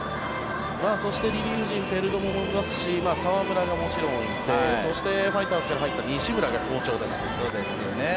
そして、リリーフ陣ペルドモもいますし澤村がもちろんいてそして、ファイターズから入った西村が好調です。